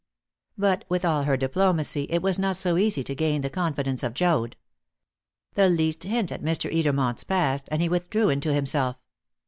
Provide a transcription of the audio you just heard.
But, with all her diplomacy, it was not so easy to gain the confidence of Joad. The least hint at Mr. Edermont's past, and he withdrew into himself.